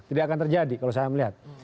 tidak akan terjadi kalau saya melihat